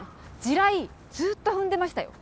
地雷ずっと踏んでましたよ？